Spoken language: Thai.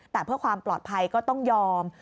แต่เพื่อความปลอดภัยก็ต้องยอม